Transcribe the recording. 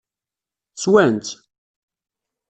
Swan-tt?